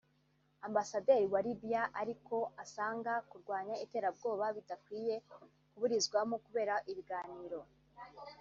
Ambasaderi wa Libya ariko asanga kurwanya iterabwoba bidakwiye kuburizwamo kubera ibiganiro